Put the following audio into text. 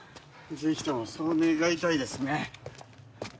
ぜひともそう願いたいですね。